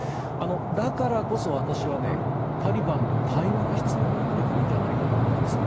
だからこそ私はタリバンと対話が必要になってくるんじゃないかと思うんですね。